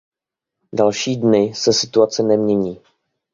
Další dny se situace nemění.